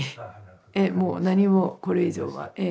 ええもう何もこれ以上はええ。